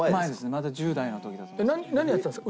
まだ１０代の時だと思います。